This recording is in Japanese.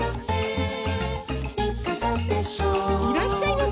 いらっしゃいませ！